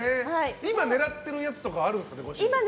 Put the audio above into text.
今、狙っているやつとかあるんですか？